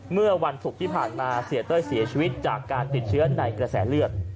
เมื่อวันศุกร์ที่ผ่านมาเสียเต้ยเสียชีวิตจากการติดเชื้อในกระแสเลือด